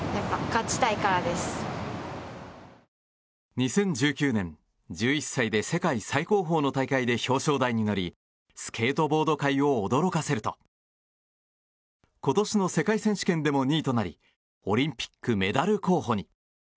２０１９年、１１歳で世界最高峰の大会で表彰台に乗りスケートボード界を驚かせると今年の世界選手権でも２位となりオリンピックメダル候補に。